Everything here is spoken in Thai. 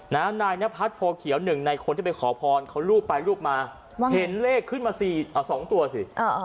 นายนพัฒน์โพเขียวหนึ่งในคนที่ไปขอพรเขารูปไปรูปมาเห็นเลขขึ้นมาสี่สองตัวสิ